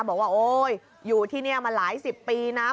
บอกว่าโอ๊ยอยู่ที่นี่มาหลายสิบปีนะ